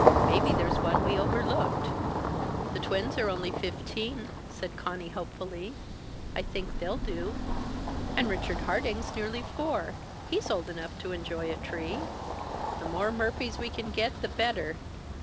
Maybe there's one we overlooked." "The twins are only fifteen," said Conny hopefully. "I think they'll do." "And Richard Harding's nearly four. He's old enough to enjoy a tree. The more Murphys we can get the better.